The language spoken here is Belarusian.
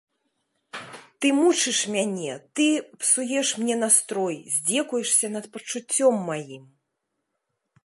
Ты мучыш мяне, ты псуеш мне настрой, здзекуешся над пачуццём над маім.